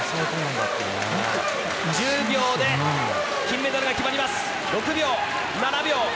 １０秒で金メダルが決まります。